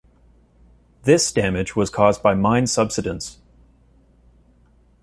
This damage was caused by mine subsidence.